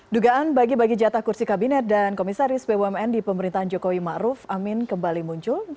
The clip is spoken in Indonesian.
dugaan bagi bagi jatah kursi kabinet dan komisaris bumn di pemerintahan jokowi ⁇ maruf ⁇ amin kembali muncul